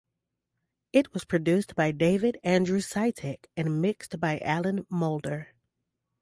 It was produced by David Andrew Sitek and mixed by Alan Moulder.